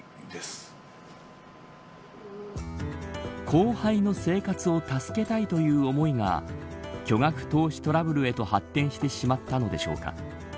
後輩の生活を助けたいという思いが巨額投資トラブルへと発展してしまったのでしょうか。